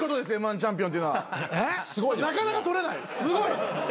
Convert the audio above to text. すごい！